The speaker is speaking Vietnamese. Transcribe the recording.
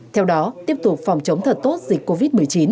theo đó tiếp tục phòng chống thật tốt dịch covid một mươi chín